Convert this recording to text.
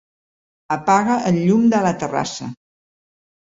Apaga el llum de la terrassa.